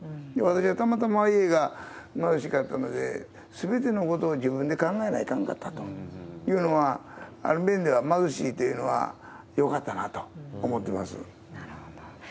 私はたまたま家が貧しかったので、すべてのことを自分で考えないかんかったというのは、ある面では貧しいというのはよかったなと思なるほど。